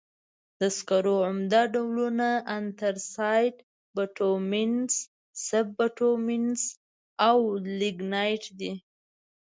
د سکرو عمده ډولونه انترسایت، بټومینس، سب بټومینس او لېګنایټ دي.